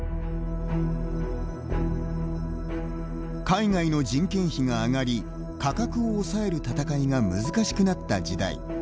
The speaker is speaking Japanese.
海外の人件費が上がり価格を抑える戦いが難しくなった時代。